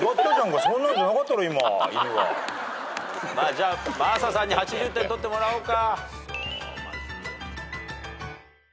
じゃあ真麻さんに８０点取ってもらおうか。